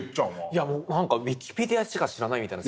いやウィキペディアでしか知らないみたいな。